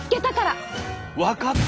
分かった！